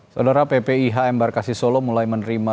saudara ppih mbak kasyih solo mulai menerima ribuan